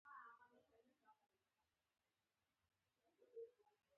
ښاغلی ډاربي هم په ډېرو ژورو چورتونو کې ډوب و.